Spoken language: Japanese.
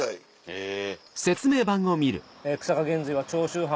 へぇ。